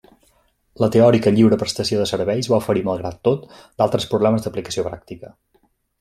La teòrica lliure prestació de serveis va oferir, malgrat tot, d'altres problemes d'aplicació pràctica.